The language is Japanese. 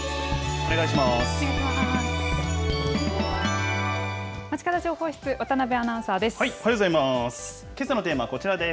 お願いします。